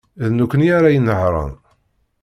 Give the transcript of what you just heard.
D nekkni ara inehṛen.